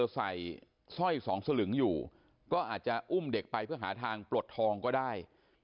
ใส่สร้อยสองสลึงอยู่ก็อาจจะอุ้มเด็กไปเพื่อหาทางปลดทองก็ได้